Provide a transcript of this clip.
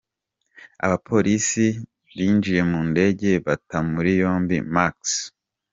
Abapolisi binjiye mu ndege bata muri yombi Marks.